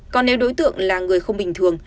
còn nếu đối tượng là người không bình thường